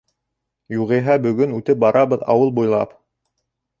Юғиһә бөгөн үтеп барабыҙ ауыл буйлап...